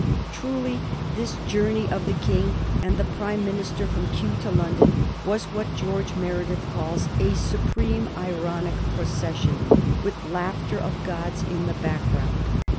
Truly this journey of the King and the Prime Minister from Kew to London was what George Meredith calls a "supreme ironic procession, with laughter of gods in the background."